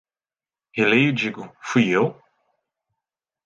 Releio e digo: "Fui eu?"